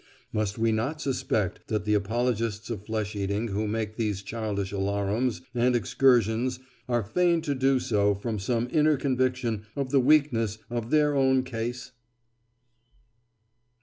Must we not suspect that the apologists of flesh eating who make these childish alarums and excursions are fain to do so from some inner conviction of the weakness of their own case?